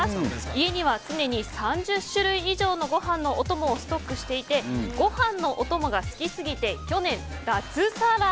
家には常に３０種類以上のご飯のお供をストックしていてご飯のお供が好きすぎて去年、脱サラ。